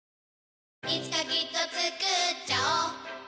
いつかきっとつくっちゃおう